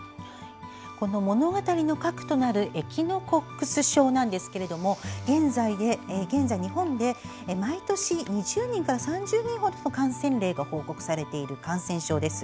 この物語の核となるエキノコックス症ですが現在、日本で毎年２０人から３０人ほどの感染例が報告されている感染症です。